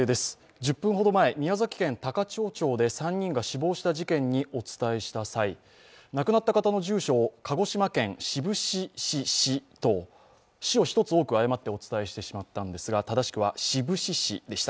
１０分ほど前、宮崎県高千穂町で３人が死亡した事件をお伝えした際亡くなった方の住所を鹿児島県志布志市市と、「し」を１つ多く誤ってお伝えしてしまったんですが、正しくは志布志市でした。